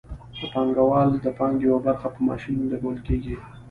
د پانګوال د پانګې یوه برخه په ماشینونو لګول کېږي